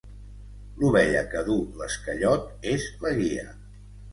L'ovella que duu l'esquellot és la guia.